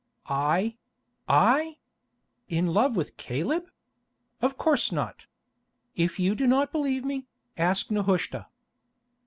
"I—I? In love with Caleb? Of course not. If you do not believe me, ask Nehushta."